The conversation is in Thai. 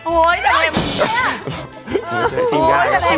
โอ้ยแต่ไงมันเชี่ย